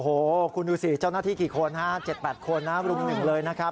โอ้โหคุณดูสิเจ้าหน้าที่กี่คนฮะ๗๘คนนะรุม๑เลยนะครับ